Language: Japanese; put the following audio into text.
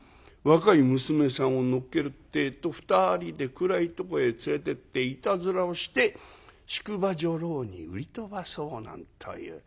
若い娘さんを乗っけるってえと２人で暗いとこへ連れてっていたずらをして宿場女郎に売り飛ばそうなんという。